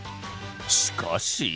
しかし。